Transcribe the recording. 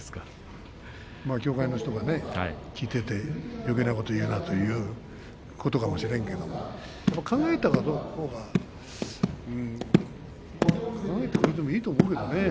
協会の人が聞いていてよけいなことを言うなということかもしれんけど考えてくれてもいいと思うけどね。